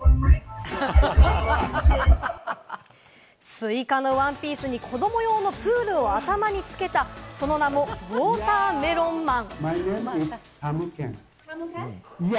スイカのワンピースに子ども用のプールを頭につけた、その名もウォーターメロンマン。